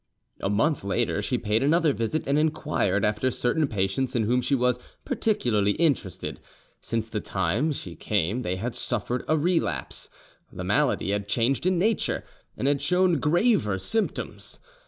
A month later she paid another visit, and inquired after certain patients in whom she was particularly interested: since the last time she came they had suffered a relapse—the malady had changed in nature, and had shown graver symptoms.